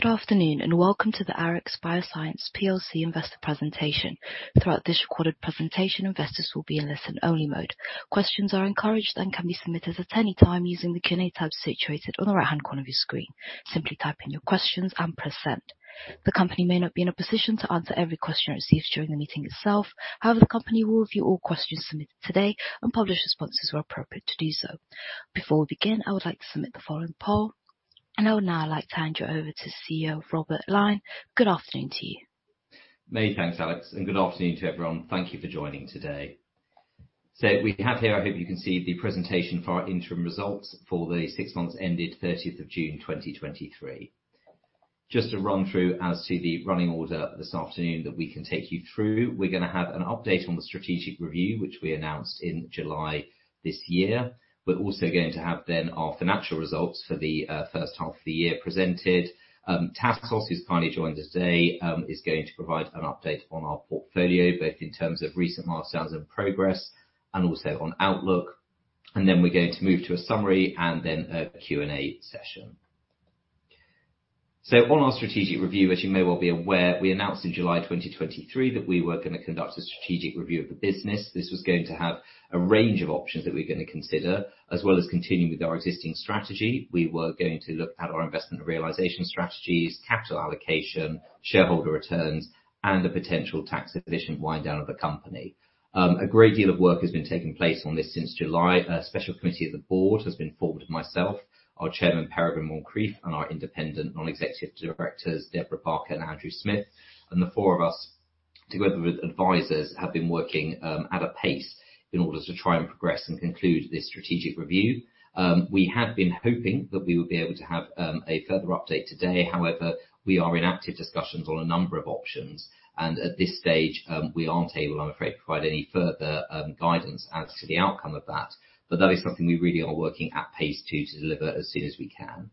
Good afternoon, and welcome to the Arix Bioscience plc investor presentation. Throughout this recorded presentation, investors will be in listen-only mode. Questions are encouraged and can be submitted at any time using the Q&A tab situated on the right-hand corner of your screen. Simply type in your questions and press Send. The company may not be in a position to answer every question received during the meeting itself. However, the company will review all questions submitted today and publish responses where appropriate to do so. Before we begin, I would like to submit the following poll, and I would now like to hand you over to CEO, Robert Lyne. Good afternoon to you. Many thanks, Alex, and good afternoon to everyone. Thank you for joining today. So we have here, I hope you can see the presentation for our interim results for the six months ended thirtieth of June, 2023. Just to run through as to the running order this afternoon that we can take you through. We're gonna have an update on the strategic review, which we announced in July this year. We're also going to have then our financial results for the first half of the year presented. Tassos, who's kindly joined us today, is going to provide an update on our portfolio, both in terms of recent milestones and progress, and also on outlook. And then we're going to move to a summary and then a Q&A session. On our strategic review, as you may well be aware, we announced in July 2023 that we were gonna conduct a strategic review of the business. This was going to have a range of options that we're gonna consider, as well as continuing with our existing strategy. We were going to look at our investment realization strategies, capital allocation, shareholder returns, and the potential tax efficient wind down of the company. A great deal of work has been taking place on this since July. A special committee of the board has been formed of myself, our chairman, Peregrine Moncreiffe, and our independent non-executive directors, Debra Barker and Andrew Smith. The four of us, together with advisors, have been working at a pace in order to try and progress and conclude this strategic review. We had been hoping that we would be able to have a further update today. However, we are in active discussions on a number of options, and at this stage, we aren't able, I'm afraid, to provide any further guidance as to the outcome of that, but that is something we really are working at pace to deliver as soon as we can.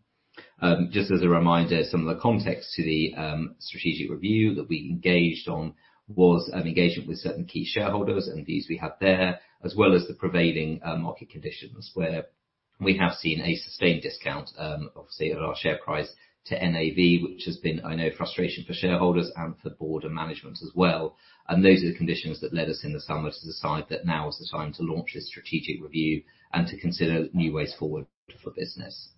Just as a reminder, some of the context to the strategic review that we engaged on was an engagement with certain key shareholders and views we have there, as well as the prevailing market conditions, where we have seen a sustained discount, obviously, on our share price to NAV, which has been, I know, frustration for shareholders and for the board and management as well. Those are the conditions that led us in the summer to decide that now is the time to launch a strategic review and to consider new ways forward for business.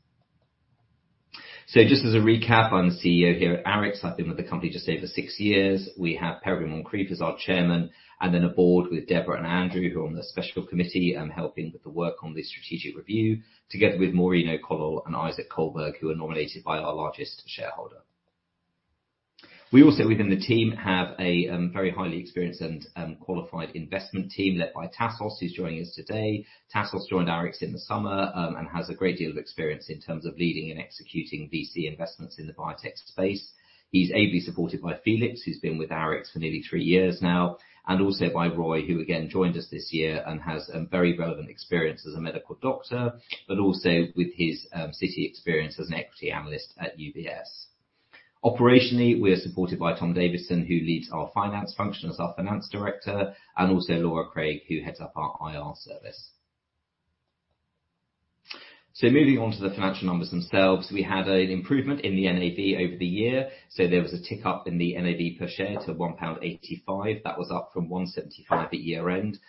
So just as a recap, I'm the CEO here at Arix. I've been with the company just over six years. We have Peregrine Moncreiffe as our chairman, and then a board with Debra and Andrew, who are on the special committee, helping with the work on the strategic review, together with Maureen O'Connell and Isaac Kohlberg, who are nominated by our largest shareholder. We also, within the team, have a very highly experienced and qualified investment team, led by Tassos, who's joining us today. Tassos joined Arix in the summer, and has a great deal of experience in terms of leading and executing VC investments in the biotech space. He's ably supported by Felix, who's been with Arix for nearly 3 years now, and also by Roderick, who, again, joined us this year and has very relevant experience as a medical doctor, but also with his city experience as an equity analyst at UBS. Operationally, we are supported by Tom Davidson, who leads our finance function as our finance director, and also Laura Craig, who heads up our IR service. So moving on to the financial numbers themselves, we had an improvement in the NAV over the year, so there was a tick-up in the NAV per share to 1.85 pound. That was up from 1.75 at year-end.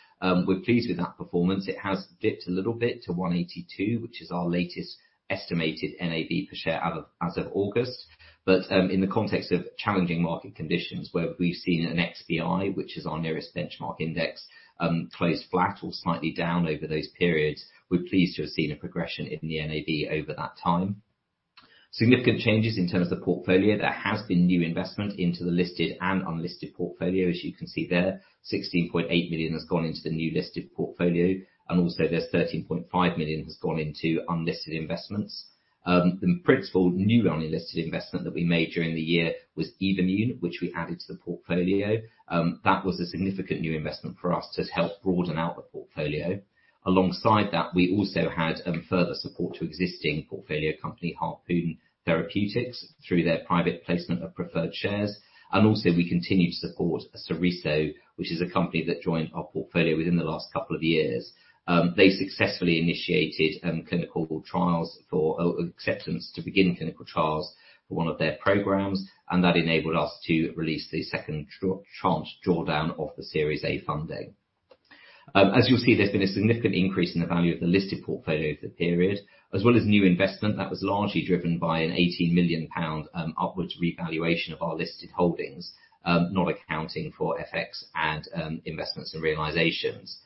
We're pleased with that performance. It has dipped a little bit to 1.82, which is our latest estimated NAV per share as of August. But, in the context of challenging market conditions, where we've seen an XBI, which is our nearest benchmark index, close flat or slightly down over those periods, we're pleased to have seen a progression in the NAV over that time. Significant changes in terms of the portfolio. There has been new investment into the listed and unlisted portfolio, as you can see there. 16.8 million has gone into the new listed portfolio, and also there's 13.5 million has gone into unlisted investments. The principal new only listed investment that we made during the year was Evommune, which we added to the portfolio. That was a significant new investment for us to help broaden out the portfolio. Alongside that, we also had further support to existing portfolio company, Harpoon Therapeutics, through their private placement of preferred shares. And also, we continued to support Sereso, which is a company that joined our portfolio within the last couple of years. They successfully initiated clinical trials for acceptance to begin clinical trials for one of their programs, and that enabled us to release the second chance drawdown of the Series A funding. As you'll see, there's been a significant increase in the value of the listed portfolio for the period, as well as new investment that was largely driven by a 18 million pound upwards revaluation of our listed holdings, not accounting for FX and investments and realizations.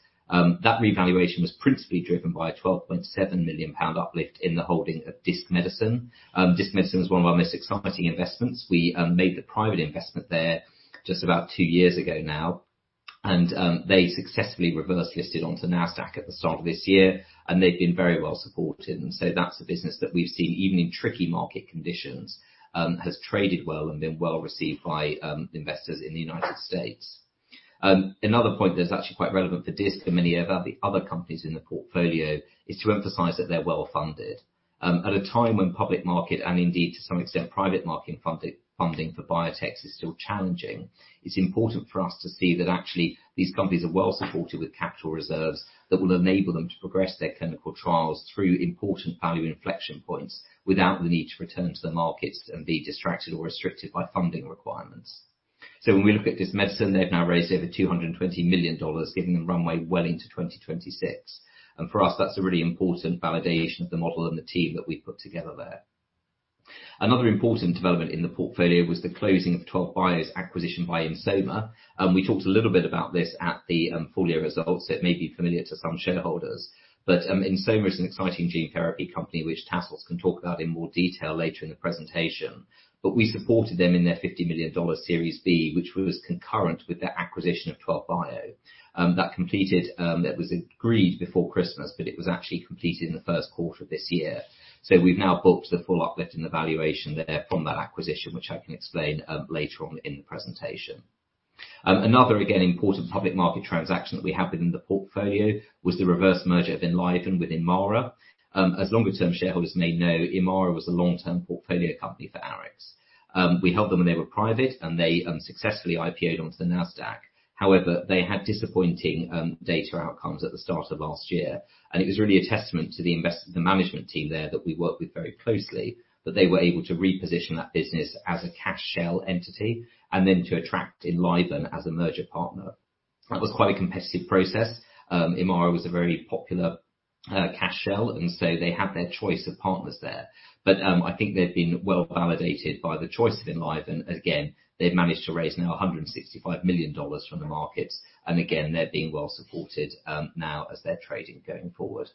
That revaluation was principally driven by a 12.7 million pound uplift in the holding of Disc Medicine. Disc Medicine is one of our most exciting investments. We made the private investment there just about two years ago now, and they successfully reverse listed onto at the start of this year, and they've been very well supported. So that's a business that we've seen, even in tricky market conditions, has traded well and been well received by investors in the United States. Another point that's actually quite relevant for Disc and many of the other companies in the portfolio is to emphasize that they're well-funded. At a time when public market and indeed, to some extent, private market funding, funding for biotechs is still challenging, it's important for us to see that actually, these companies are well supported with capital reserves that will enable them to progress their clinical trials through important value inflection points, without the need to return to the markets and be distracted or restricted by funding requirements. So when we look at this medicine, they've now raised over $220 million, giving them runway well into 2026. And for us, that's a really important validation of the model and the team that we've put together there. Another important development in the portfolio was the closing of Twelve Bio's acquisition by Ensoma. We talked a little bit about this at the full year results, so it may be familiar to some shareholders, but Ensoma is an exciting gene therapy company, which Tassos can talk about in more detail later in the presentation. But we supported them in their $50 million Series B, which was concurrent with their acquisition of Twelve Bio. That completed, that was agreed before Christmas, but it was actually completed in the first quarter of this year. So we've now booked the full uplift in the valuation there from that acquisition, which I can explain later on in the presentation. Another, again, important public market transaction that we have within the portfolio was the reverse merger of Enliven with Imara. As longer-term shareholders may know, Imara was a long-term portfolio company for Arix. We helped them when they were private, and they successfully IPOed onto the NASDAQ. However, they had disappointing data outcomes at the start of last year, and it was really a testament to the management team there that we worked with very closely, that they were able to reposition that business as a cash shell entity and then to attract Enliven as a merger partner. That was quite a competitive process. Imara was a very popular cash shell, and so they had their choice of partners there. But I think they've been well validated by the choice of Enliven. Again, they've managed to raise now $165 million from the markets, and again, they're being well supported now as they're trading going forward.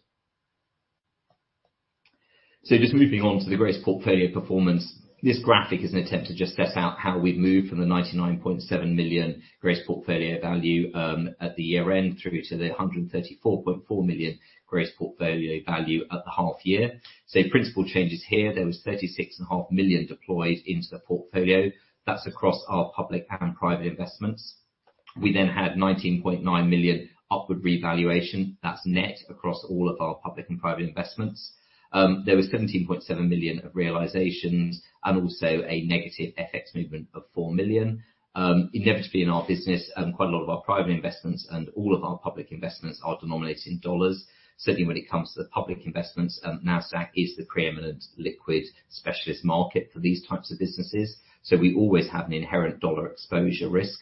So just moving on to the Grace portfolio performance. This graphic is an attempt to just set out how we've moved from the 99.7 million gross portfolio value at the year-end, through to the 134.4 million gross portfolio value at the half year. So principal changes here, there was 36.5 million deployed into the portfolio. That's across our public and private investments. We then had 19.9 million upward revaluation. That's net across all of our public and private investments. There was 17.7 million of realizations and also a negative FX movement of 4 million. Inevitably in our business, quite a lot of our private investments and all of our public investments are denominated in dollars. Certainly when it comes to the public investments, NASDAQ is the preeminent liquid specialist market for these types of businesses, so we always have an inherent dollar exposure risk.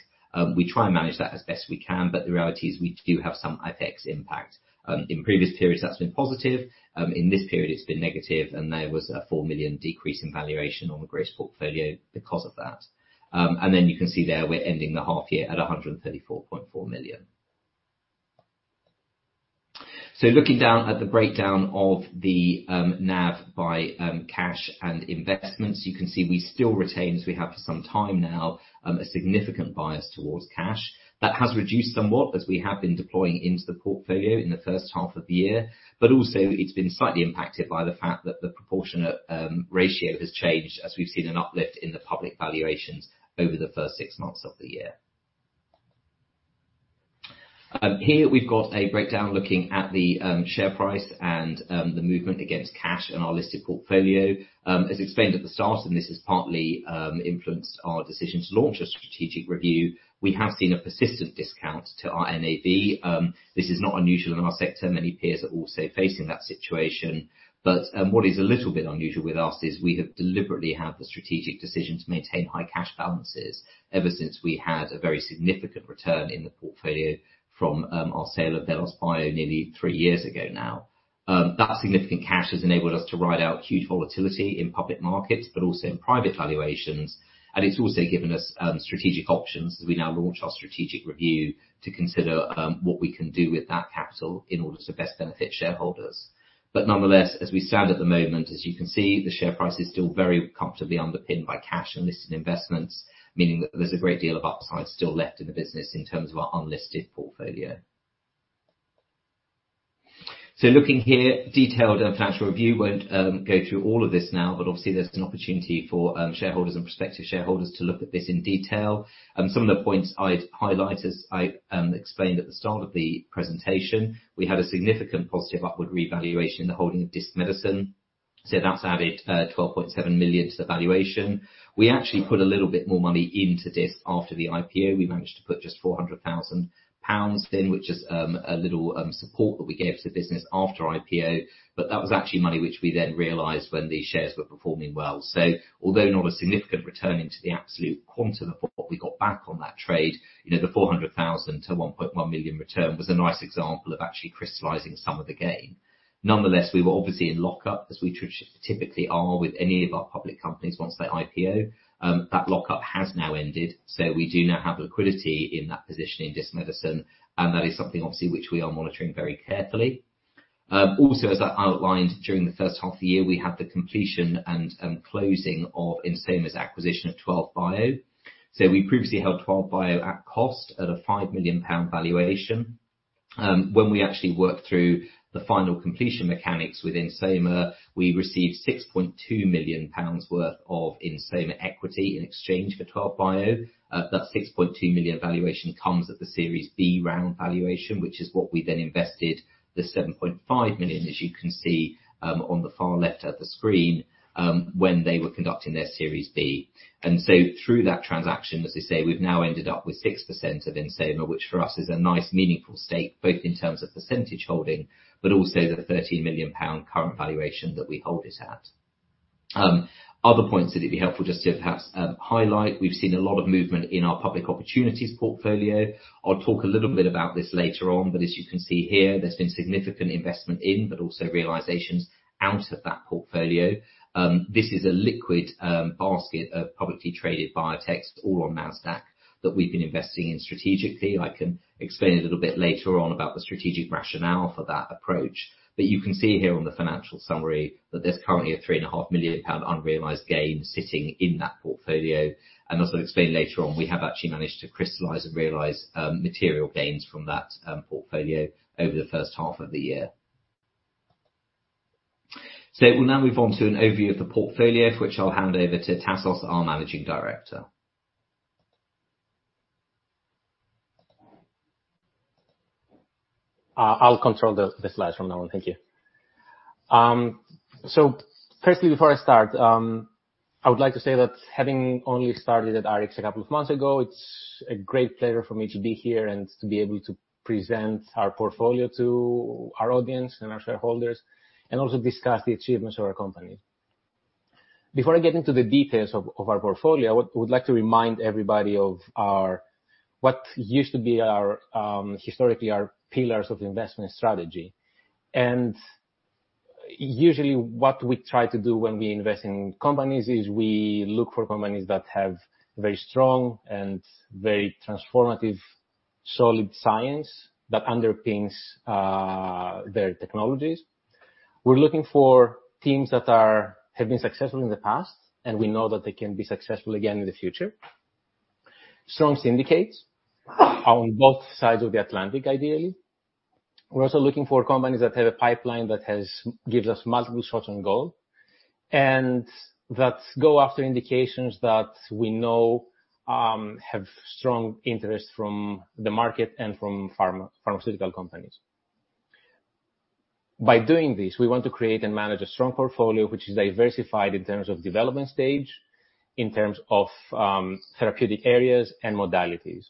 We try and manage that as best we can, but the reality is we do have some FX impact. In previous periods, that's been positive. In this period, it's been negative, and there was a 4 million decrease in valuation on the Grace portfolio because of that. And then you can see there, we're ending the half year at 134.4 million. So looking down at the breakdown of the NAV by cash and investments, you can see we still retain, as we have for some time now, a significant bias towards cash. That has reduced somewhat as we have been deploying into the portfolio in the first half of the year, but also it's been slightly impacted by the fact that the proportionate ratio has changed as we've seen an uplift in the public valuations over the first six months of the year. Here, we've got a breakdown looking at the share price and the movement against cash and our listed portfolio. As explained at the start, and this has partly influenced our decision to launch a strategic review, we have seen a persistent discount to our NAV. This is not unusual in our sector. Many peers are also facing that situation. But what is a little bit unusual with us is we have deliberately had the strategic decision to maintain high cash balances ever since we had a very significant return in the portfolio from our sale of VelosBio nearly three years ago now. That significant cash has enabled us to ride out huge volatility in public markets, but also in private valuations, and it's also given us strategic options as we now launch our strategic review to consider what we can do with that capital in order to best benefit shareholders. But nonetheless, as we stand at the moment, as you can see, the share price is still very comfortably underpinned by cash and listed investments, meaning that there's a great deal of upside still left in the business in terms of our unlisted portfolio. Looking here, detailed financial review. Won't go through all of this now, but obviously, there's an opportunity for shareholders and prospective shareholders to look at this in detail. Some of the points I'd highlight, as I explained at the start of the presentation, we had a significant positive upward revaluation in the holding of Disc Medicine, so that's added 12.7 million to the valuation. We actually put a little bit more money into Disc Medicine after the IPO. We managed to put just 400,000 pounds in, which is a little support that we gave to the business after IPO, but that was actually money which we then realized when these shares were performing well. So although not a significant return into the absolute quantum of what we got back on that trade, you know, the 400,000-1.1 million return was a nice example of actually crystallizing some of the gain. Nonetheless, we were obviously in lockup, as we typically are with any of our public companies once they IPO. That lockup has now ended, so we do now have liquidity in that position in Disc Medicine, and that is something obviously, which we are monitoring very carefully. Also, as I outlined, during the first half of the year, we had the completion and closing of Ensoma's acquisition of Twelve Bio. So we previously held Twelve Bio at cost at a 5 million pound valuation. When we actually worked through the final completion mechanics with Ensoma, we received 6.2 million pounds worth of Ensoma equity in exchange for Twelve Bio. That 6.2 million valuation comes at the Series B round valuation, which is what we then invested the 7.5 million, as you can see, on the far left of the screen, when they were conducting their Series B. And so through that transaction, as I say, we've now ended up with 6% of Ensoma, which for us is a nice, meaningful stake, both in terms of percentage holding, but also the 13 million pound current valuation that we hold it at. Other points that it'd be helpful just to perhaps, highlight. We've seen a lot of movement in our Public Opportunities Portfolio. I'll talk a little bit about this later on, but as you can see here, there's been significant investment in, but also realizations out of that portfolio. This is a liquid basket of publicly traded biotechs, all on NASDAQ, that we've been investing in strategically. I can explain a little bit later on about the strategic rationale for that approach. But you can see here on the financial summary, that there's currently a 3.5 million pound unrealized gain sitting in that portfolio. As I'll explain later on, we have actually managed to crystallize and realize material gains from that portfolio over the first half of the year. We'll now move on to an overview of the portfolio, for which I'll hand over to Tassos, our Managing Director. I'll control the slides from now on. Thank you. So firstly, before I start, I would like to say that having only started at Arix a couple of months ago, it's a great pleasure for me to be here and to be able to present our portfolio to our audience and our shareholders, and also discuss the achievements of our company. Before I get into the details of our portfolio, I would like to remind everybody of our... What used to be our, historically, our pillars of investment strategy. Usually what we try to do when we invest in companies is we look for companies that have very strong and very transformative, solid science that underpins their technologies. We're looking for teams that have been successful in the past, and we know that they can be successful again in the future. Strong syndicates, on both sides of the Atlantic, ideally. We're also looking for companies that have a pipeline that gives us multiple shots on goal, and that go after indications that we know have strong interest from the market and from pharmaceutical companies. By doing this, we want to create and manage a strong portfolio, which is diversified in terms of development stage, in terms of therapeutic areas and modalities.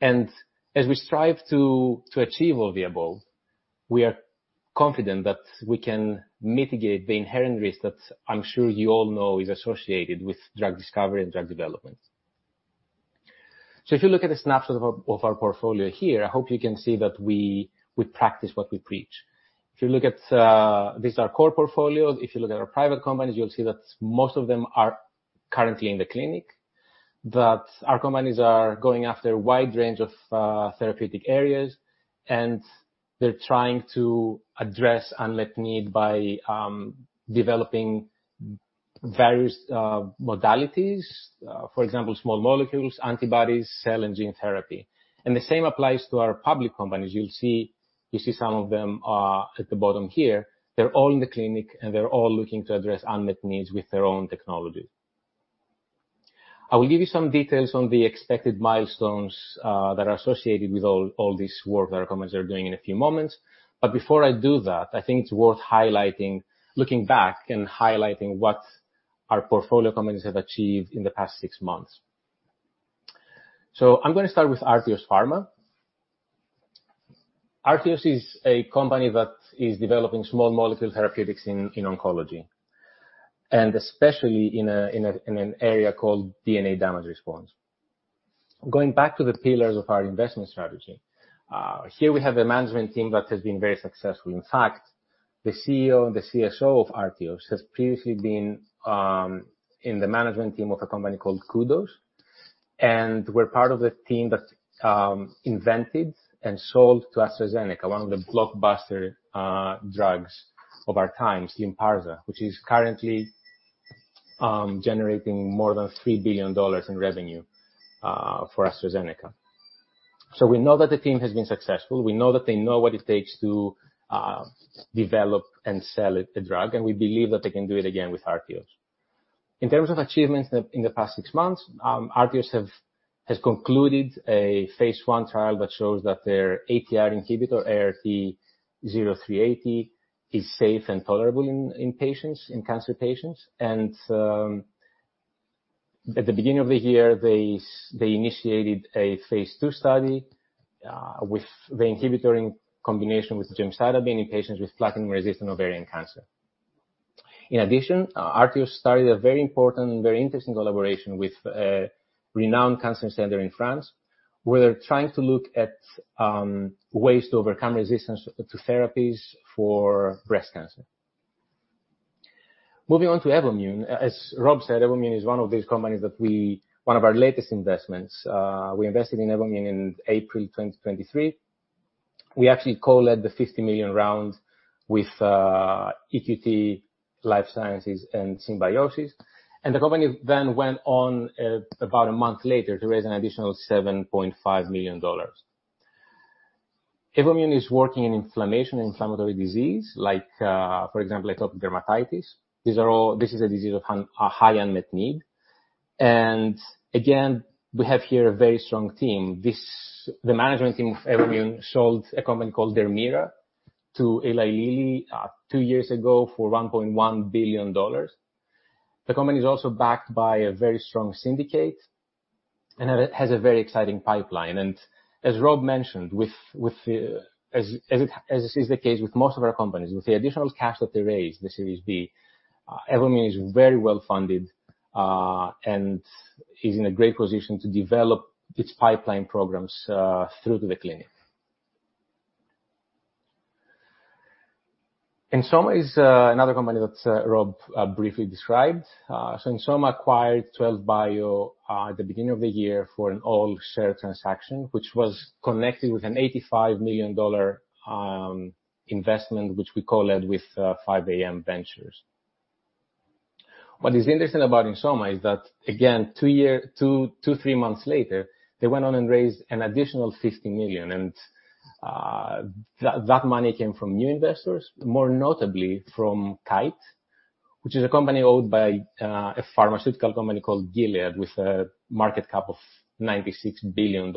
And as we strive to achieve our viable, we are confident that we can mitigate the inherent risk that I'm sure you all know is associated with drug discovery and drug development. So if you look at a snapshot of our portfolio here, I hope you can see that we practice what we preach. If you look at these are our core portfolios. If you look at our private companies, you'll see that most of them are currently in the clinic, that our companies are going after a wide range of therapeutic areas, and they're trying to address unmet need by developing various modalities. For example, small molecules, antibodies, cell and gene therapy. And the same applies to our public companies. You'll see—you see some of them at the bottom here. They're all in the clinic, and they're all looking to address unmet needs with their own technologies. I will give you some details on the expected milestones that are associated with all, all this work that our companies are doing in a few moments. But before I do that, I think it's worth highlighting, looking back and highlighting what our portfolio companies have achieved in the past six months. So I'm gonna start with Artios Pharma. Artios is a company that is developing small molecule therapeutics in oncology, and especially in an area called DNA Damage Response. Going back to the pillars of our investment strategy, here we have a management team that has been very successful. In fact, the CEO and the CSO of Artios has previously been in the management team of a company called Kudos, and were part of the team that invented and sold to AstraZeneca, one of the blockbuster drugs of our times, Lynparza, which is currently generating more than $3 billion in revenue for AstraZeneca. So we know that the team has been successful. We know that they know what it takes to develop and sell a drug, and we believe that they can do it again with Artios. In terms of achievements in the past 6 months, Artios has concluded a phase 1 trial that shows that their ATR inhibitor, ART0380, is safe and tolerable in patients, in cancer patients. At the beginning of the year, they initiated a phase two study with the inhibitor in combination with gemcitabine in patients with platinum-resistant ovarian cancer. In addition, Artios started a very important and very interesting collaboration with a renowned cancer center in France, where they're trying to look at ways to overcome resistance to therapies for breast cancer. Moving on to Evommune. As Rob said, Evommune is one of those companies that we one of our latest investments. We invested in Evommune in April 2023. We actually co-led the $50 million round with EQT Life Sciences and Symbiosis, and the company then went on about a month later to raise an additional $7.5 million. Evommune is working in inflammation and inflammatory disease, like, for example, atopic dermatitis. This is a disease of a high unmet need. And again, we have here a very strong team. The management team of Evommune sold a company called to Eli Lilly two years ago for $1.1 billion. The company is also backed by a very strong syndicate and it has a very exciting pipeline. And as Rob mentioned, as it is the case with most of our companies, with the additional cash that they raised, the Series B, Evommune is very well funded and is in a great position to develop its pipeline programs through to the clinic. Ensoma is another company that Rob briefly described. So Ensoma acquired Twelve Bio at the beginning of the year for an all-share transaction, which was connected with an $85 million investment, which we co-led with 5AM Ventures. What is interesting about Ensoma is that, again, two years, two or three months later, they went on and raised an additional $50 million, and that money came from new investors, more notably from Kite, which is a company owned by a pharmaceutical company called Gilead, with a market cap of $96 billion.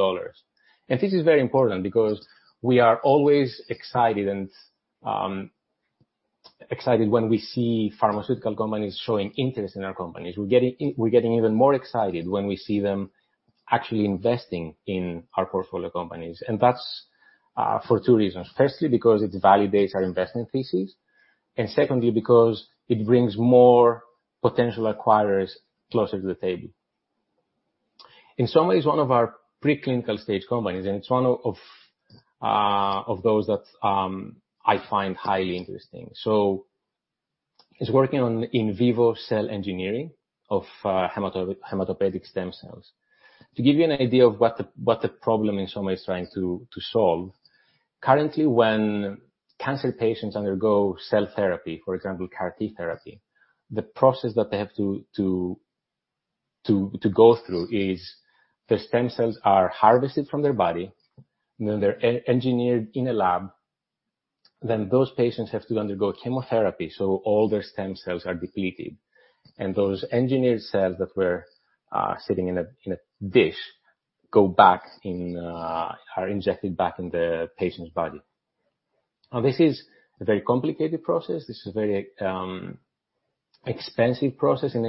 And this is very important because we are always excited and excited when we see pharmaceutical companies showing interest in our companies. We're getting even more excited when we see them actually investing in our portfolio companies. And that's for two reasons. Firstly, because it validates our investment thesis, and secondly, because it brings more potential acquirers closer to the table. Ensoma is one of our preclinical stage companies, and it's one of those that I find highly interesting. So it's working on in vivo cell engineering of hematopoietic stem cells. To give you an idea of what the problem Ensoma is trying to solve, currently when cancer patients undergo cell therapy, for example, CAR T therapy, the process that they have to go through is the stem cells are harvested from their body, and then they're engineered in a lab. Then those patients have to undergo chemotherapy, so all their stem cells are depleted. And those engineered cells that were sitting in a dish are injected back in the patient's body. Now, this is a very complicated process. This is a very expensive process, and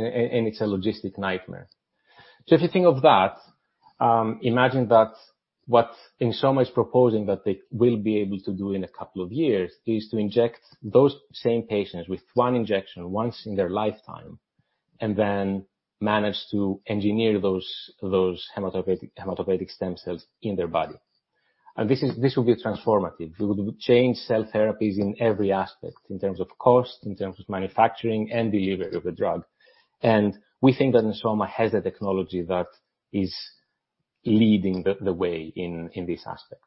it's a logistic nightmare. So if you think of that, imagine that what Ensoma is proposing, that they will be able to do in a couple of years, is to inject those same patients with one injection, once in their lifetime, and then manage to engineer those hematopoietic stem cells in their body. And this is. This will be transformative. It would change cell therapies in every aspect, in terms of cost, in terms of manufacturing, and delivery of the drug. And we think that Ensoma has the technology that is leading the way in this aspect.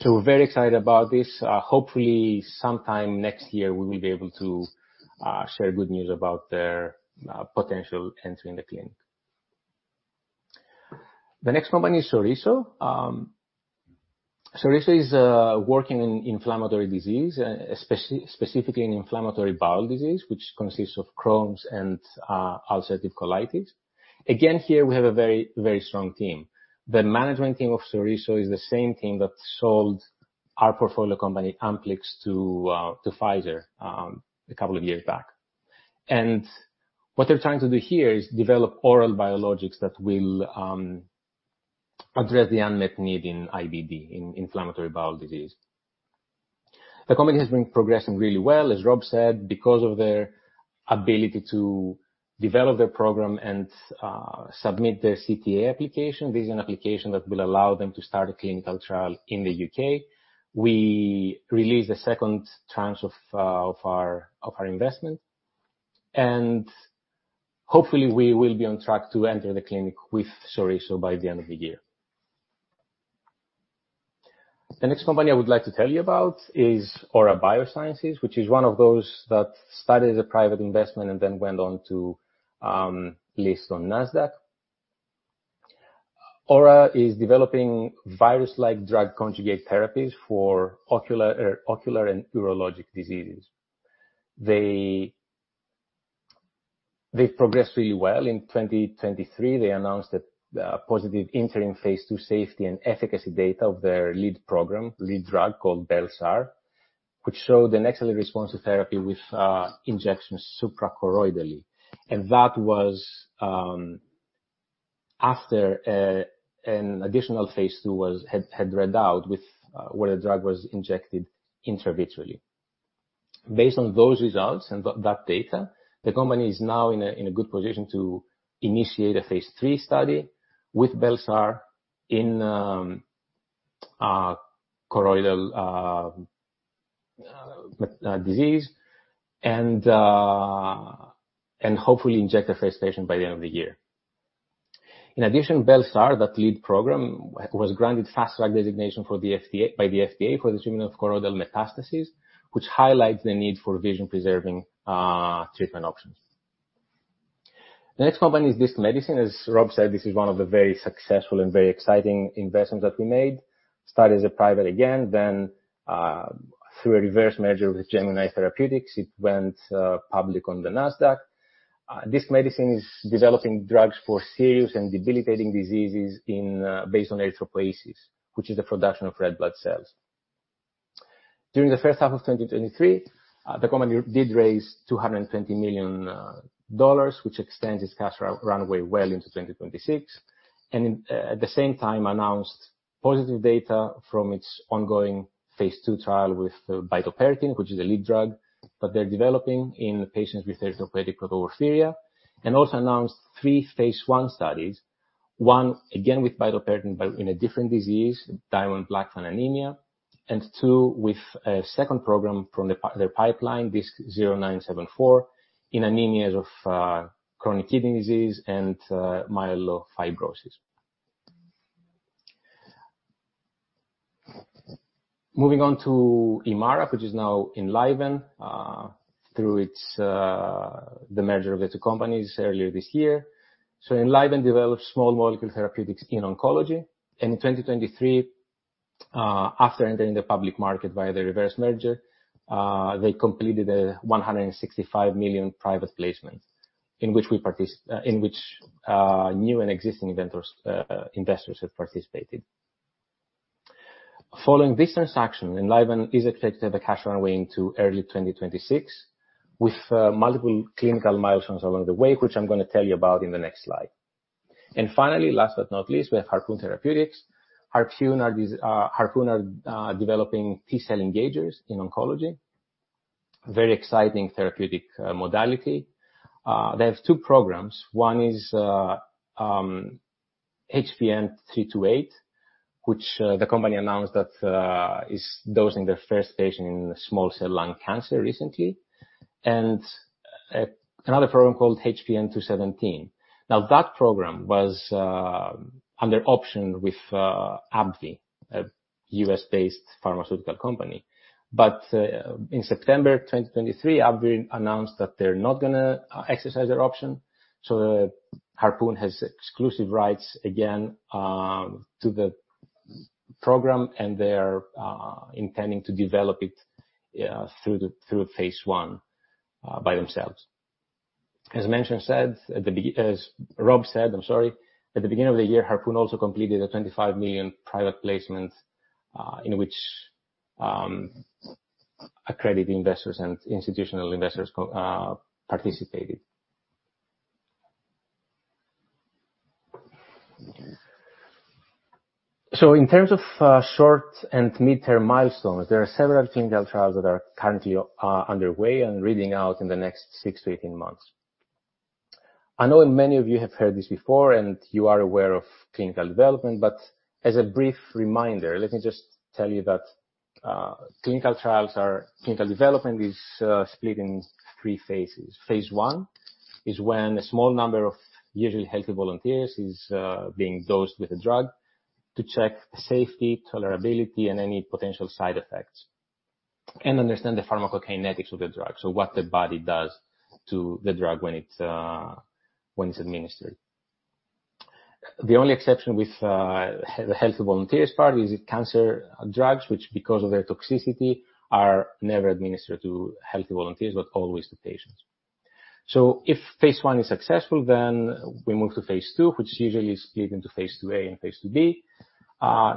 So we're very excited about this. Hopefully sometime next year, we will be able to share good news about their potential entering the clinic. The next company is Sereso. Sereso is working in inflammatory disease, specifically in inflammatory bowel disease, which consists of Crohn's and ulcerative colitis. Again, here we have a very, very strong team. The management team of Sereso is the same team that sold our portfolio company, Amplyx, to Pfizer a couple of years back. And what they're trying to do here is develop oral biologics that will address the unmet need in IBD, in inflammatory bowel disease. The company has been progressing really well, as Rob said, because of their ability to develop their program and submit their CTA application. This is an application that will allow them to start a clinical trial in the UK. We released the second tranche of our investment, and hopefully we will be on track to enter the clinic with Sereso by the end of the year. The next company I would like to tell you about is Aura Biosciences, which is one of those that started as a private investment and then went on to list on NASDAQ. Aura is developing virus-like drug conjugate therapies for ocular and urologic diseases. They've progressed really well. In 2023, they announced positive interim phase 2 safety and efficacy data of their lead program, lead drug called Belsar, which showed an excellent response to therapy with injections suprachoroidally. And that was after an additional phase 2 had read out with where the drug was injected intravitreally. Based on those results and that data, the company is now in a good position to initiate a phase 3 study with Belsar in choroidal disease, and hopefully inject the first patient by the end of the year. In addition, Belsar, that lead program, was granted fast track designation by the FDA for the treatment of choroidal metastases, which highlights the need for vision-preserving treatment options. The next company is Disc Medicine. As Rob said, this is one of the very successful and very exciting investments that we made. Started as a private again, then through a reverse merger with Gemini Therapeutics, it went public on the NASDAQ. Disc Medicine is developing drugs for serious and debilitating diseases based on erythropoiesis, which is the production of red blood cells.... During the first half of 2023, the company did raise $220 million, which extends its cash runway well into 2026, and at the same time announced positive data from its ongoing phase 2 trial with bitopertin, which is a lead drug that they're developing in patients with hereditary porphyria. Also announced three phase 1 studies, one again with bitopertin, but in a different disease, Diamond-Blackfan anemia, and two with a second program from their pipeline, DISC-0974, in anemias of chronic kidney disease and myelofibrosis. Moving on to Imara, which is now Enliven, through the merger of its companies earlier this year. So Enliven develops small molecule therapeutics in oncology. In 2023, after entering the public market via the reverse merger, they completed a $165 million private placement, in which new and existing investors have participated. Following this transaction, Enliven is expected to have a cash runway into early 2026, with multiple clinical milestones along the way, which I'm gonna tell you about in the next slide. And finally, last but not least, we have Harpoon Therapeutics. Harpoon are developing T-cell engagers in oncology. Very exciting therapeutic modality. They have two programs. One is HPN-328, which the company announced that is dosing their first patient in small cell lung cancer recently. And another program called HPN-217. Now, that program was under option with AbbVie, a US-based pharmaceutical company. But in September 2023, AbbVie announced that they're not gonna exercise their option, so Harpoon has exclusive rights again to the program, and they are intending to develop it through phase 1 by themselves. As Rob said, I'm sorry, at the beginning of the year, Harpoon also completed a $25 million private placement in which accredited investors and institutional investors participated. So in terms of short- and mid-term milestones, there are several clinical trials that are currently underway and reading out in the next 6months-18 months. I know many of you have heard this before, and you are aware of clinical development, but as a brief reminder, let me just tell you that clinical development is split in 3 phases. Phase 1 is when a small number of usually healthy volunteers is being dosed with a drug to check safety, tolerability and any potential side effects, and understand the pharmacokinetics of the drug, so what the body does to the drug when it's administered. The only exception with the healthy volunteers part is if cancer drugs, which because of their toxicity, are never administered to healthy volunteers, but always to patients. So if phase 1 is successful, then we move to phase 2, which usually is split into phase 2A and phase 2B.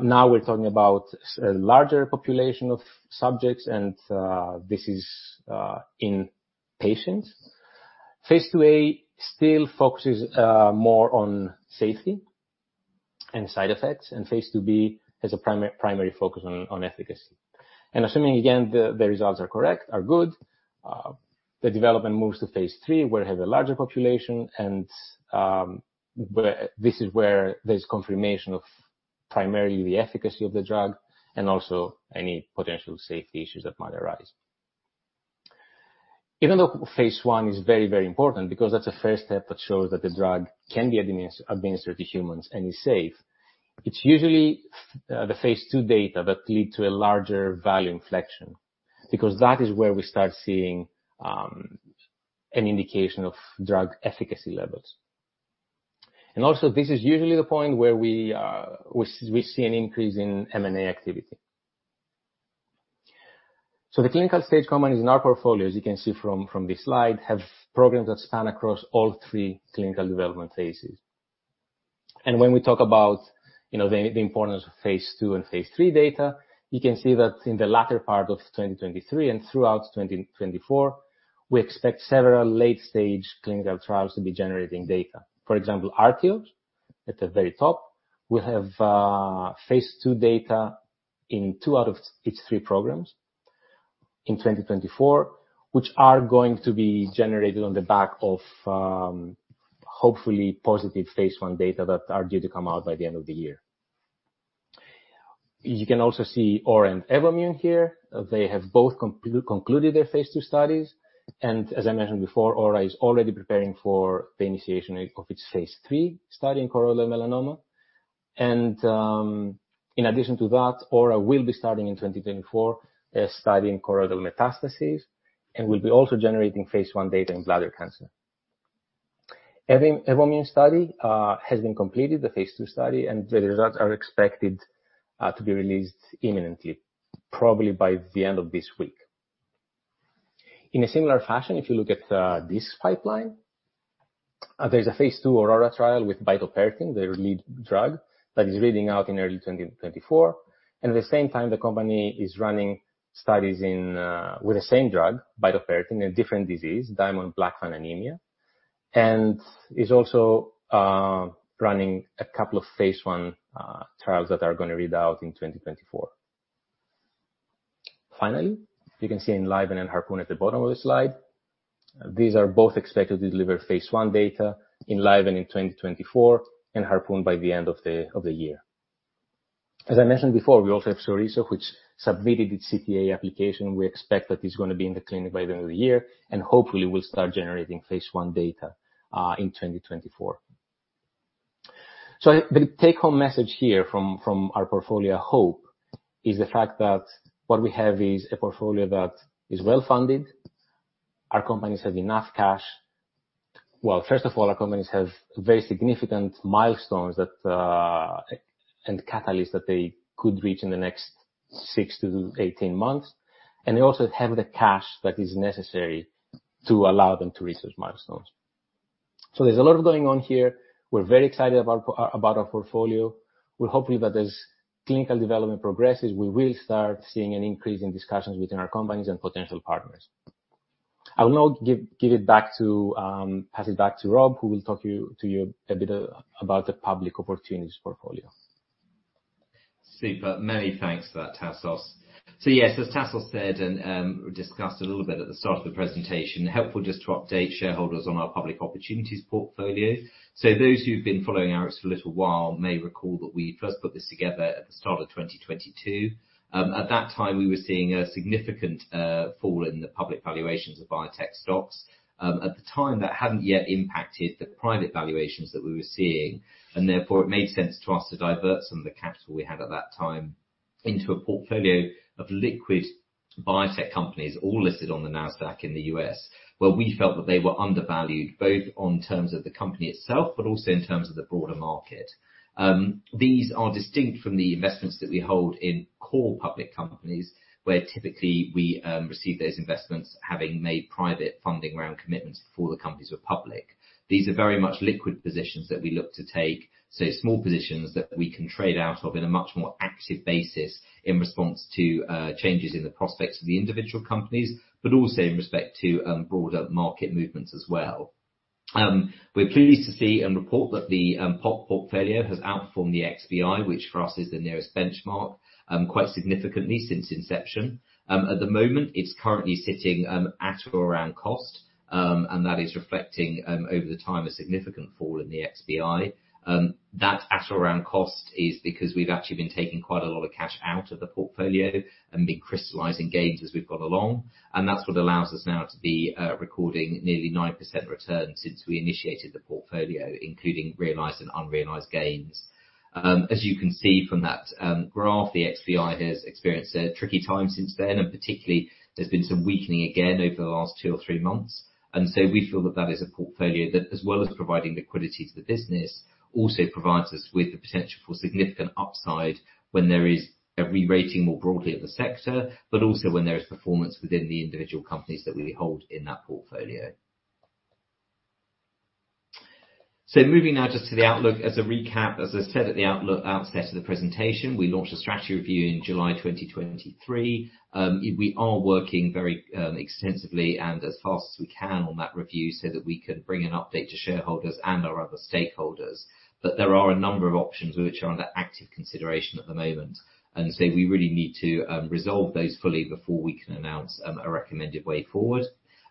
Now we're talking about a larger population of subjects, and this is in patients. phase 2A still focuses more on safety and side effects, and phase 2B has a primary focus on efficacy. And assuming, again, the results are correct, are good, the development moves to phase three, where it has a larger population and, where this is where there's confirmation of primarily the efficacy of the drug, and also any potential safety issues that might arise. Even though phase one is very, very important, because that's the first step that shows that the drug can be administered to humans and is safe, it's usually the phase two data that lead to a larger value inflection, because that is where we start seeing an indication of drug efficacy levels. And also, this is usually the point where we see an increase in M&A activity. So the clinical-stage companies in our portfolio, as you can see from this slide, have programs that span across all three clinical development phases. And when we talk about, you know, the, the importance of phase 2 and phase 3 data, you can see that in the latter part of 2023 and throughout 2024, we expect several late-stage clinical trials to be generating data. For example, Artios, at the very top, will have phase 2 data in 2 out of its 3 programs in 2024, which are going to be generated on the back of, hopefully positive phase 1 data that are due to come out by the end of the year. You can also see Aura and Evommune here. They have both concluded their phase 2 studies, and as I mentioned before, Aura is already preparing for the initiation of its phase 3 study in colorectal melanoma. In addition to that, Aura will be starting in 2024, a study in colorectal metastases, and will be also generating phase 1 data in bladder cancer. Evommune study has been completed, the phase 2 study, and the results are expected to be released imminently, probably by the end of this week. In a similar fashion, if you look at this pipeline, there's a phase 2 AURORA trial with bitopertin, their lead drug, that is reading out in early 2024. And at the same time, the company is running studies in with the same drug, bitopertin, in a different disease, Diamond-Blackfan anemia, and is also running a couple of phase 1 trials that are gonna read out in 2024. Finally, you can see Enliven and Harpoon at the bottom of the slide. These are both expected to deliver phase 1 data, Enliven in 2024 and Harpoon by the end of the year. As I mentioned before, we also have Sereso, which submitted its CTA application. We expect that it's gonna be in the clinic by the end of the year, and hopefully we'll start generating phase 1 data in 2024. So the take home message here from our portfolio hope is the fact that what we have is a portfolio that is well-funded. Our companies have enough cash. Well, first of all, our companies have very significant milestones that and catalysts that they could reach in the next 6months-18 months, and they also have the cash that is necessary to allow them to reach those milestones. So there's a lot going on here. We're very excited about our portfolio. We're hoping that as clinical development progresses, we will start seeing an increase in discussions within our companies and potential partners. I will now pass it back to Rob, who will talk to you a bit about the public opportunities portfolio. Super. Many thanks for that, Tassos. So yes, as Tassos said, and, discussed a little bit at the start of the presentation, helpful just to update shareholders on our public opportunities portfolio. So those who've been following Arix for a little while may recall that we first put this together at the start of 2022. At that time, we were seeing a significant, fall in the public valuations of biotech stocks. At the time, that hadn't yet impacted the private valuations that we were seeing, and therefore it made sense to us to divert some of the capital we had at that time into a portfolio of liquid biotech companies, all listed on the NASDAQ in the U.S., where we felt that they were undervalued, both on terms of the company itself, but also in terms of the broader market. These are distinct from the investments that we hold in core public companies, where typically we receive those investments, having made private funding round commitments before the companies were public. These are very much liquid positions that we look to take, so small positions that we can trade out of in a much more active basis, in response to changes in the prospects of the individual companies, but also in respect to broader market movements as well. We're pleased to see and report that the POP portfolio has outperformed the XBI, which for us is the nearest benchmark, quite significantly since inception. At the moment, it's currently sitting at or around cost, and that is reflecting over the time, a significant fall in the XBI. That at or around cost is because we've actually been taking quite a lot of cash out of the portfolio and been crystallizing gains as we've gone along, and that's what allows us now to be recording nearly 9% return since we initiated the portfolio, including realized and unrealized gains. As you can see from that graph, the XBI has experienced a tricky time since then, and particularly there's been some weakening again over the last two or three months. And so we feel that that is a portfolio that, as well as providing liquidity to the business, also provides us with the potential for significant upside when there is a rerating more broadly of the sector, but also when there is performance within the individual companies that we hold in that portfolio. So moving now just to the outlook. As a recap, as I said, at the outset of the presentation, we launched a strategy review in July 2023. We are working very extensively and as fast as we can on that review so that we can bring an update to shareholders and our other stakeholders. But there are a number of options which are under active consideration at the moment, and so we really need to resolve those fully before we can announce a recommended way forward.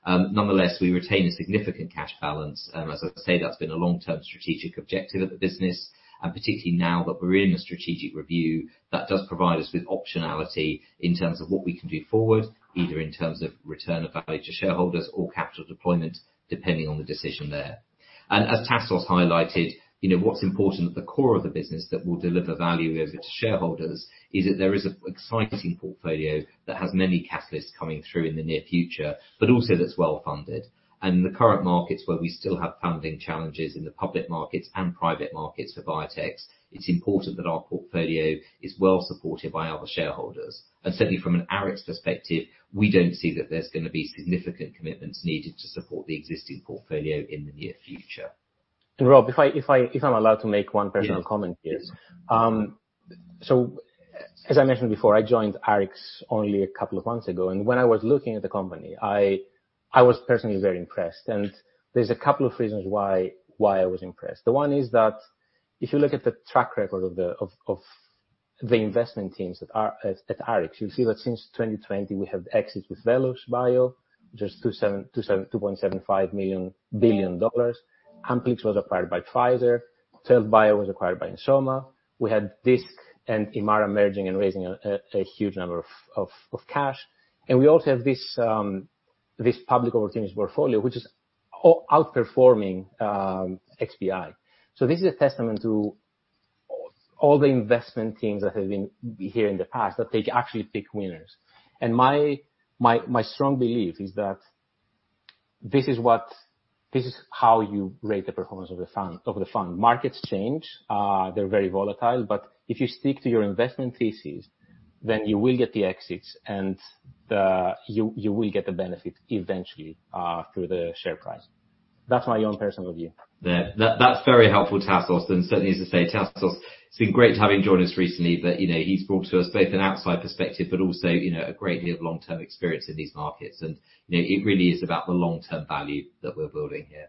Nonetheless, we retain a significant cash balance, and as I say, that's been a long-term strategic objective of the business, and particularly now that we're in a strategic review, that does provide us with optionality in terms of what we can do forward, either in terms of return of value to shareholders or capital deployment, depending on the decision there. As Tassos highlighted, you know, what's important at the core of the business that will deliver value over to shareholders is that there is an exciting portfolio that has many catalysts coming through in the near future, but also that's well-funded. The current markets, where we still have funding challenges in the public markets and private markets for biotechs, it's important that our portfolio is well supported by other shareholders. Certainly from an Arix perspective, we don't see that there's gonna be significant commitments needed to support the existing portfolio in the near future. Rob, if I'm allowed to make one personal comment here. Yes. So as I mentioned before, I joined Arix only a couple of months ago, and when I was looking at the company, I was personally very impressed. There's a couple of reasons why I was impressed. The one is that if you look at the track record of the investment teams that are at Arix, you'll see that since 2020, we have exits with VelosBio, just $2.75 billion. Amplyx was acquired by Pfizer. Twelve Bio was acquired by Ensoma. We had Disc and Imara merging and raising a huge number of cash. We also have this public opportunities portfolio, which is outperforming XBI. So this is a testament to all the investment teams that have been here in the past, that they actually pick winners. And my strong belief is that this is what, this is how you rate the performance of the fund. Markets change, they're very volatile, but if you stick to your investment thesis, then you will get the exits and you will get the benefit eventually through the share price. That's my own personal view. Yeah. That, that's very helpful, Tassos, and certainly, as I say, Tassos, it's been great to have him join us recently, but, you know, he's brought to us both an outside perspective, but also, you know, a great deal of long-term experience in these markets. And, you know, it really is about the long-term value that we're building here.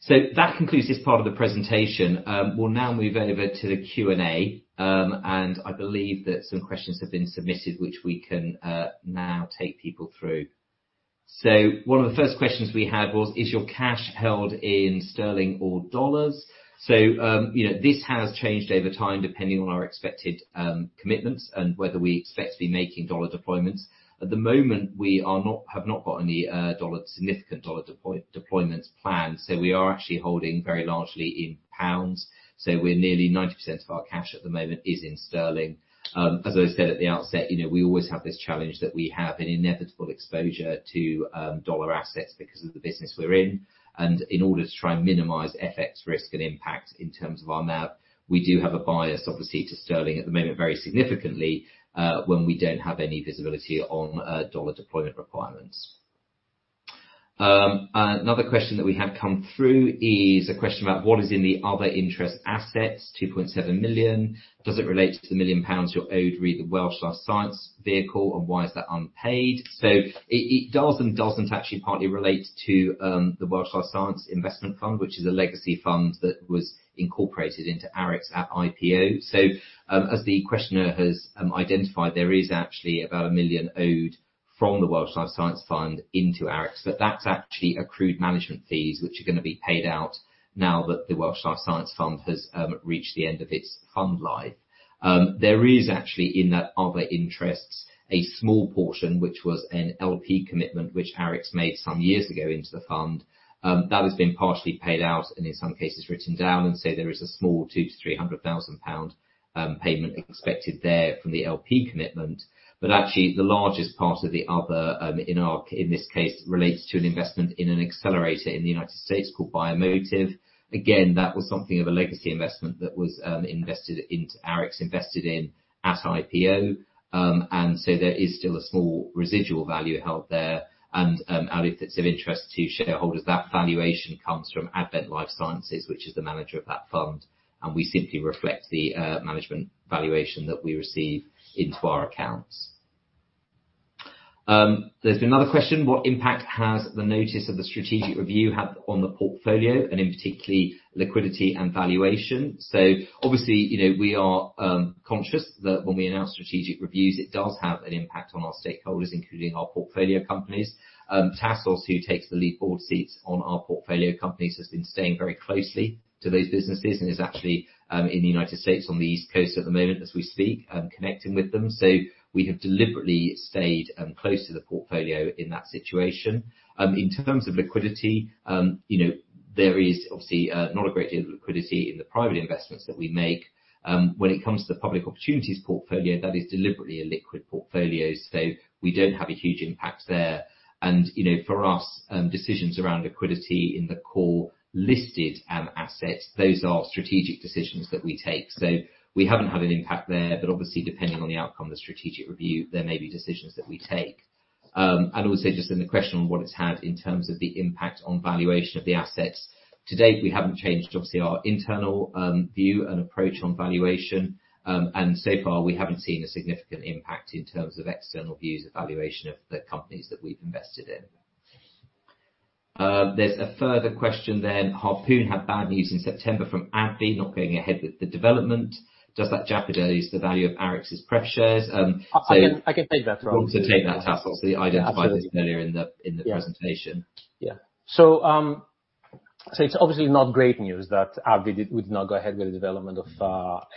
So that concludes this part of the presentation. We'll now move over to the Q&A, and I believe that some questions have been submitted, which we can now take people through. So one of the first questions we had was: Is your cash held in sterling or dollars? So, you know, this has changed over time, depending on our expected commitments and whether we expect to be making dollar deployments. At the moment, we have not got any significant dollar deployments planned, so we are actually holding very largely in pounds. So we're nearly 90% of our cash at the moment is in sterling. As I said at the outset, you know, we always have this challenge that we have an inevitable exposure to dollar assets because of the business we're in, and in order to try and minimize FX risk and impact in terms of our NAV, we do have a bias, obviously, to sterling at the moment, very significantly, when we don't have any visibility on dollar deployment requirements. Another question that we had come through is a question about: What is in the other interest assets, 2.7 million? Does it relate to the 1 million pounds you're owed re the Welsh Life Science Fund and why is that unpaid? So it does and doesn't actually partly relate to the Welsh Life Science Investment Fund, which is a legacy fund that was incorporated into Arix at IPO. So, as the questioner has identified, there is actually about 1 million owed from the Welsh Life Science Fund into Arix, but that's actually accrued management fees, which are gonna be paid out now that the Welsh Life Science Fund has reached the end of its fund life. There is actually, in that other interests, a small portion, which was an LP commitment, which Arix made some years ago into the fund. That has been partially paid out and in some cases, written down, and so there is a small 200,000-300,000 pound payment expected there from the LP commitment. But actually, the largest part of the other in this case relates to an investment in an accelerator in the United States called Biomotive. Again, that was something of a legacy investment that was invested into Arix, invested in at IPO, and so there is still a small residual value held there. If it's of interest to shareholders, that valuation comes from Advent Life Sciences, which is the manager of that fund, and we simply reflect the management valuation that we receive into our accounts. There's been another question: What impact has the notice of the strategic review had on the portfolio and in particularly, liquidity and valuation? So obviously, you know, we are conscious that when we announce strategic reviews, it does have an impact on our stakeholders, including our portfolio companies. Tassos, who takes the lead board seats on our portfolio companies, has been staying very closely to those businesses and is actually in the United States on the East Coast at the moment as we speak, connecting with them. So we have deliberately stayed close to the portfolio in that situation. In terms of liquidity, you know, there is obviously not a great deal of liquidity in the private investments that we make. When it comes to the public opportunities portfolio, that is deliberately a liquid portfolio, so we don't have a huge impact there. You know, for us, decisions around liquidity in the core listed assets, those are strategic decisions that we take. We haven't had an impact there, but obviously, depending on the outcome of the strategic review, there may be decisions that we take. And also just in the question on what it's had in terms of the impact on valuation of the assets. To date, we haven't changed, obviously, our internal view and approach on valuation. And so far, we haven't seen a significant impact in terms of external views of valuation of the companies that we've invested in. There's a further question then: Harpoon had bad news in September from AbbVie, not going ahead with the development. Does that jeopardize the value of Arix's pref shares? I can take that one. You want to take that, Tassos? We identified this earlier in the presentation. Yeah. So it's obviously not great news that AbbVie would not go ahead with the development of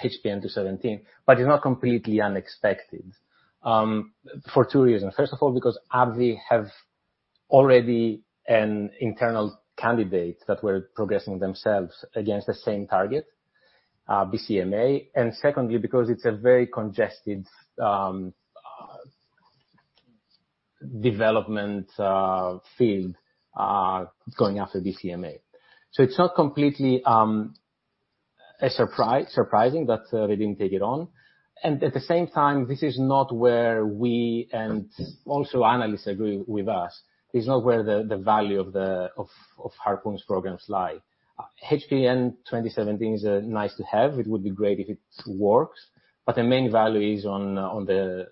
HPN-217, but it's not completely unexpected for two reasons. First of all, because AbbVie have already an internal candidate that were progressing themselves against the same target, BCMA. And secondly, because it's a very congested development field going after BCMA. So it's not completely a surprising that they didn't take it on. And at the same time, this is not where we, and also analysts agree with us, is not where the value of Harpoon's programs lie. HPN-217 is a nice-to-have. It would be great if it works, but the main value is on the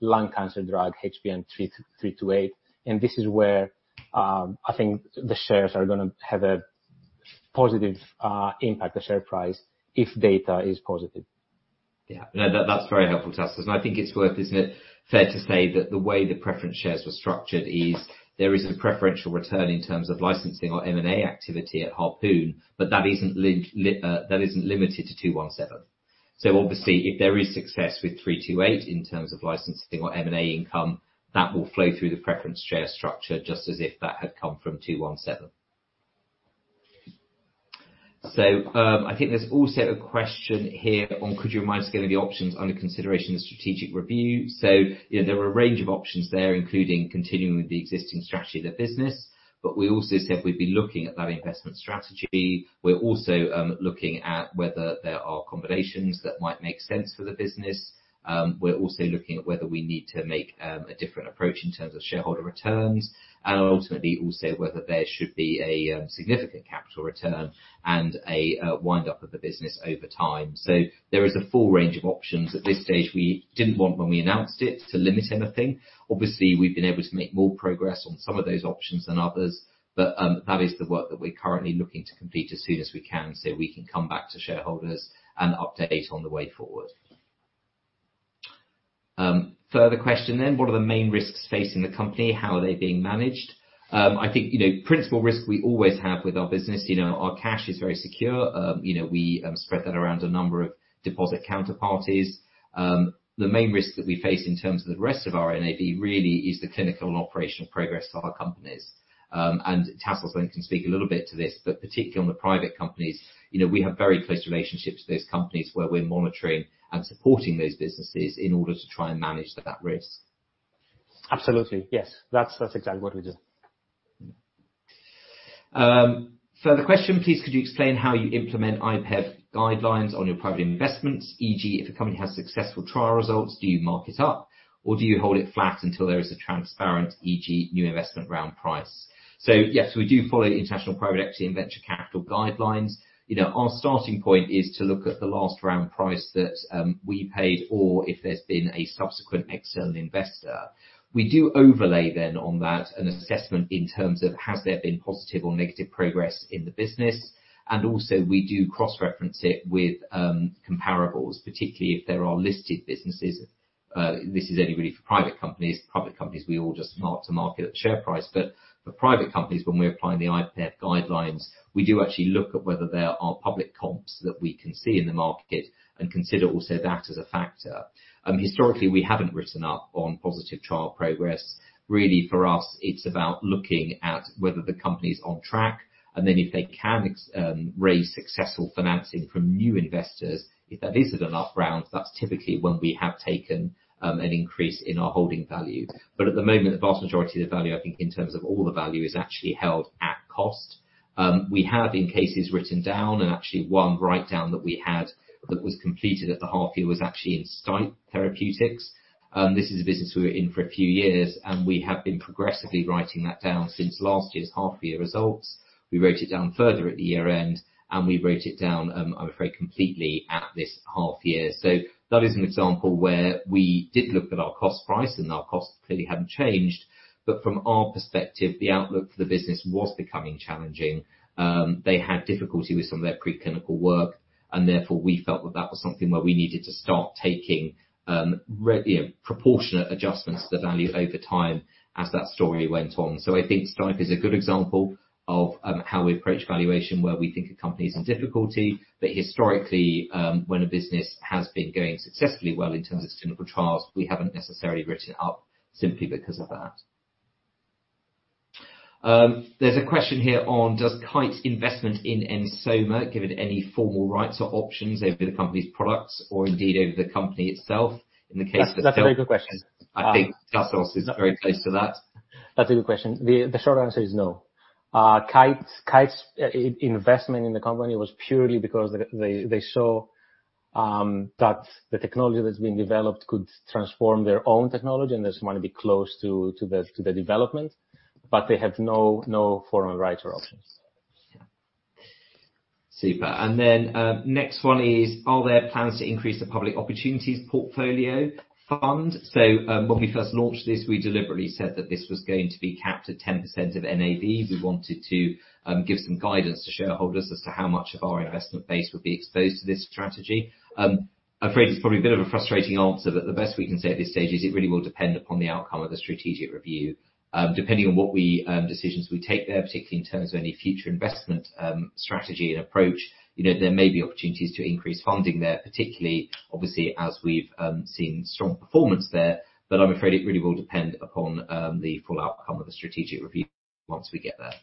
lung cancer drug, HPN-328, and this is where I think the shares are gonna have a positive impact, the share price, if data is positive. Yeah. No, that's very helpful, Tassos. And I think it's worth, isn't it, fair to say that the way the preference shares were structured is there is a preferential return in terms of licensing or M&A activity at Harpoon, but that isn't limited to 217. So obviously, if there is success with 328 in terms of licensing or M&A income, that will flow through the preference share structure, just as if that had come from 217.... So, I think there's also a question here on: "Could you remind us again of the options under consideration in the strategic review?" So, you know, there were a range of options there, including continuing with the existing strategy of the business, but we also said we'd be looking at that investment strategy. We're also looking at whether there are combinations that might make sense for the business. We're also looking at whether we need to make a different approach in terms of shareholder returns, and ultimately, also whether there should be a significant capital return and a wind up of the business over time. So there is a full range of options. At this stage, we didn't want, when we announced it, to limit anything. Obviously, we've been able to make more progress on some of those options than others, but that is the work that we're currently looking to complete as soon as we can, so we can come back to shareholders and update on the way forward. Further question then: "What are the main risks facing the company? How are they being managed?" I think, you know, principal risk we always have with our business, you know, our cash is very secure. You know, we spread that around a number of deposit counterparties. The main risk that we face in terms of the rest of our NAV, really, is the clinical and operational progress of our companies. And Tassos can speak a little bit to this, but particularly on the private companies, you know, we have very close relationships with those companies, where we're monitoring and supporting those businesses in order to try and manage that risk. Absolutely. Yes, that's, that's exactly what we do. Further question: "Please, could you explain how you implement International Private Equity and Venture Capital Guidelines guidelines on your private investments? e.g., if a company has successful trial results, do you mark it up, or do you hold it flat until there is a transparent, e.g., new investment round price?" So yes, we do follow lnternational Private Equity and Venture Capital Guidelines. You know, our starting point is to look at the last round price that we paid, or if there's been a subsequent external investor. We do overlay then on that, an assessment in terms of, has there been positive or negative progress in the business? And also we do cross-reference it with comparables, particularly if there are listed businesses. This is only really for private companies. Public companies, we all just mark to market share price. But for private companies, when we're applying the IPEV Guidelines, we do actually look at whether there are public comps that we can see in the market and consider also that as a factor. Historically, we haven't written up on positive trial progress. Really, for us, it's about looking at whether the company's on track, and then if they can raise successful financing from new investors, if that is at an up rounds, that's typically when we have taken an increase in our holding value. But at the moment, the vast majority of the value, I think, in terms of all the value, is actually held at cost. We have, in cases, written down, and actually one write down that we had that was completed at the half year, was actually in Stipe Therapeutics. This is a business we were in for a few years, and we have been progressively writing that down since last year's half year results. We wrote it down further at the year end, and we wrote it down, I'm afraid, completely at this half year. So that is an example where we did look at our cost price, and our cost clearly hadn't changed, but from our perspective, the outlook for the business was becoming challenging. They had difficulty with some of their preclinical work, and therefore, we felt that that was something where we needed to start taking, you know, proportionate adjustments to the value over time as that story went on. So I think Stipe is a good example of how we approach valuation, where we think a company is in difficulty, but historically, when a business has been going successfully well in terms of clinical trials, we haven't necessarily written it up simply because of that. There's a question here on: "Does Kite's investment in Ensoma give it any formal rights or options over the company's products, or indeed over the company itself?" In the case of. That's a very good question. I think Tassos is very close to that. That's a good question. The short answer is no. Kite's investment in the company was purely because they saw that the technology that's being developed could transform their own technology, and they just want to be close to the development, but they have no formal rights or options. Yeah. Super. And then, next one is: "Are there plans to increase the public opportunities portfolio fund?" So, when we first launched this, we deliberately said that this was going to be capped at 10% of NAV. We wanted to, give some guidance to shareholders as to how much of our investment base would be exposed to this strategy. I'm afraid it's probably a bit of a frustrating answer, but the best we can say at this stage is it really will depend upon the outcome of the strategic review. Depending on what decisions we take there, particularly in terms of any future investment, strategy and approach, you know, there may be opportunities to increase funding there, particularly, obviously, as we've seen strong performance there, but I'm afraid it really will depend upon the full outcome of the strategic review once we get there.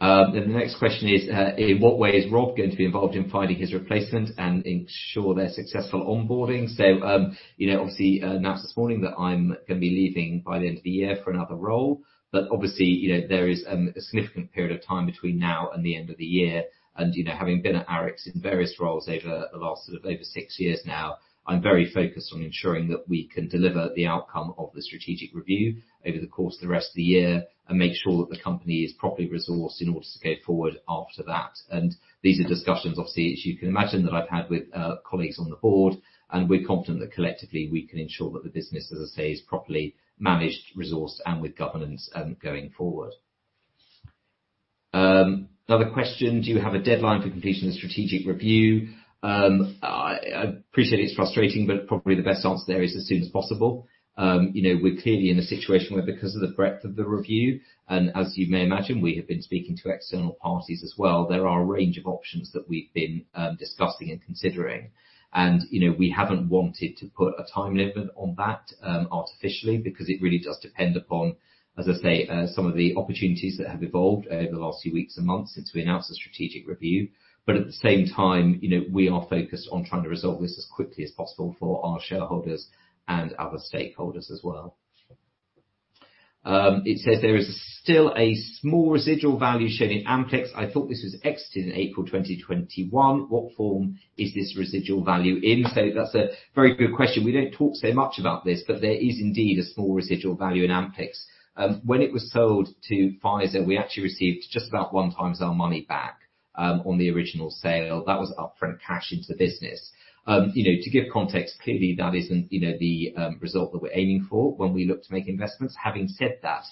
Then the next question is: "In what way is Rob going to be involved in finding his replacement and ensure their successful onboarding?" So, you know, obviously announced this morning that I'm gonna be leaving by the end of the year for another role, but obviously, you know, there is a significant period of time between now and the end of the year. You know, having been at Arix in various roles over the last over six years now, I'm very focused on ensuring that we can deliver the outcome of the strategic review over the course of the rest of the year and make sure that the company is properly resourced in order to go forward after that. These are discussions, obviously, as you can imagine, that I've had with colleagues on the board, and we're confident that collectively, we can ensure that the business, as I say, is properly managed, resourced, and with governance going forward. Another question: "Do you have a deadline for completion of the strategic review?" I appreciate it's frustrating, but probably the best answer there is, as soon as possible. You know, we're clearly in a situation where, because of the breadth of the review, and as you may imagine, we have been speaking to external parties as well, there are a range of options that we've been discussing and considering. And, you know, we haven't wanted to put a time limit on that artificially, because it really does depend upon, as I say, some of the opportunities that have evolved over the last few weeks and months since we announced the strategic review. But at the same time, you know, we are focused on trying to resolve this as quickly as possible for our shareholders and other stakeholders as well. It says there is still a small residual value shown in Amplyx. I thought this was exited in April 2021. What form is this residual value in? So that's a very good question. We don't talk so much about this, but there is indeed a small residual value in Amplyx. When it was sold to Pfizer, we actually received just about 1 times our money back on the original sale. That was upfront cash into the business. You know, to give context, clearly that isn't the result that we're aiming for when we look to make investments. Having said that,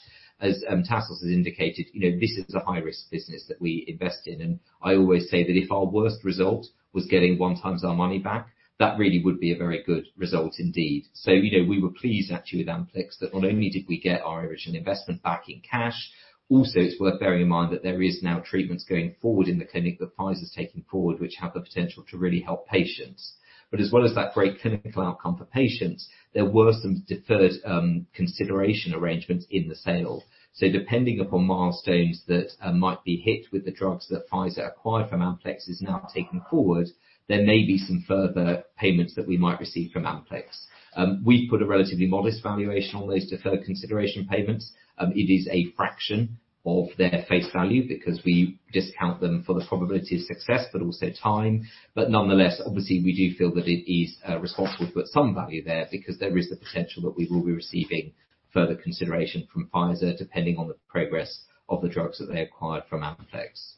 as Tassos has indicated, you know, this is a high-risk business that we invest in, and I always say that if our worst result was getting 1 times our money back, that really would be a very good result indeed. So, you know, we were pleased actually with Amplyx, that not only did we get our original investment back in cash, also, it's worth bearing in mind that there is now treatments going forward in the clinic that Pfizer's taking forward, which have the potential to really help patients. But as well as that great clinical outcome for patients, there were some deferred consideration arrangements in the sale. So depending upon milestones that might be hit with the drugs that Pfizer acquired from Amplyx is now taking forward, there may be some further payments that we might receive from Amplyx. We've put a relatively modest valuation on those deferred consideration payments. It is a fraction of their face value because we discount them for the probability of success, but also time. But nonetheless, obviously, we do feel that it is responsible to put some value there, because there is the potential that we will be receiving further consideration from Pfizer, depending on the progress of the drugs that they acquired from Amplyx.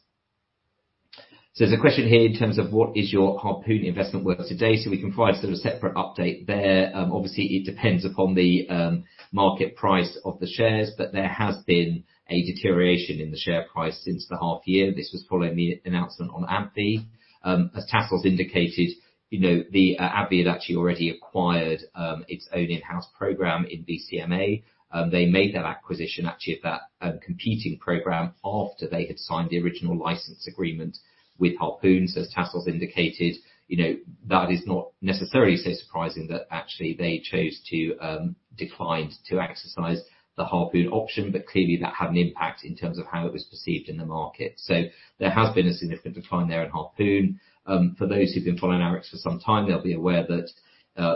So there's a question here in terms of: What is your Harpoon investment worth today? So we can provide sort of a separate update there. Obviously, it depends upon the market price of the shares, but there has been a deterioration in the share price since the half year. This was following the announcement on AbbVie. As Tassos indicated, you know, the AbbVie had actually already acquired its own in-house program in BCMA. They made that acquisition, actually, of that competing program after they had signed the original license agreement with Harpoon. As Tassos indicated, you know, that is not necessarily so surprising that actually they chose to decline to exercise the Harpoon option, but clearly, that had an impact in terms of how it was perceived in the market. So there has been a significant decline there in Harpoon. For those who've been following Arix for some time, they'll be aware that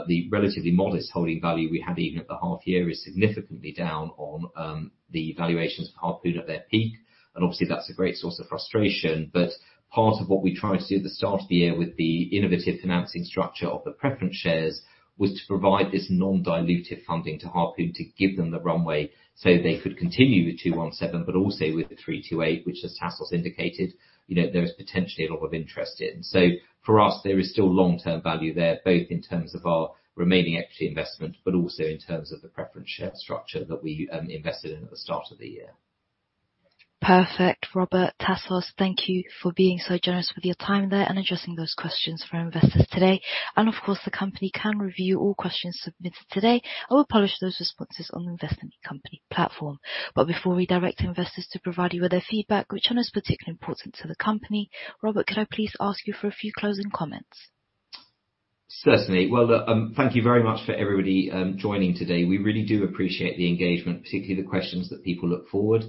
the relatively modest holding value we had even at the half year is significantly down on the valuations for Harpoon at their peak, and obviously, that's a great source of frustration. But part of what we tried to do at the start of the year with the innovative financing structure of the preference shares was to provide this non-dilutive funding to Harpoon to give them the runway so they could continue with 217, but also with the 328, which, as Tassos indicated, you know, there is potentially a lot of interest in. So for us, there is still long-term value there, both in terms of our remaining equity investment, but also in terms of the preference share structure that we invested in at the start of the year. Perfect. Robert, Tassos, thank you for being so generous with your time there and addressing those questions for our investors today. And of course, the company can review all questions submitted today and will publish those responses on the investment company platform. But before we direct investors to provide you with their feedback, which one is particularly important to the company, Robert, could I please ask you for a few closing comments? Certainly. Well, thank you very much for everybody joining today. We really do appreciate the engagement, particularly the questions that people look forward.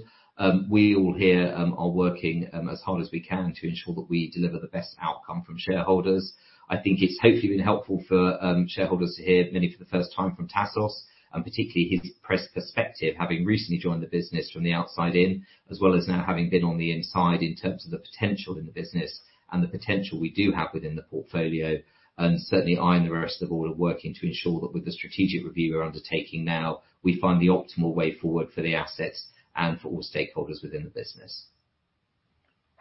We all here are working as hard as we can to ensure that we deliver the best outcome from shareholders. I think it's hopefully been helpful for shareholders to hear, many for the first time, from Tassos, and particularly his perspective, having recently joined the business from the outside in, as well as now having been on the inside in terms of the potential in the business and the potential we do have within the portfolio. And certainly, I and the rest of all are working to ensure that with the strategic review we're undertaking now, we find the optimal way forward for the assets and for all stakeholders within the business.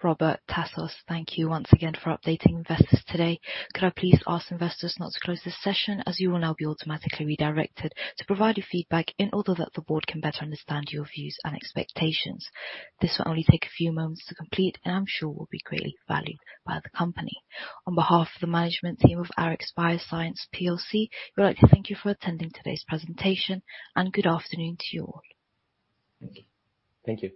Robert, Tassos, thank you once again for updating investors today. Could I please ask investors not to close this session, as you will now be automatically redirected to provide your feedback, and although that the board can better understand your views and expectations? This will only take a few moments to complete, and I'm sure will be greatly valued by the company. On behalf of the management team of Arix Bioscience plc, we'd like to thank you for attending today's presentation, and good afternoon to you all. Thank you.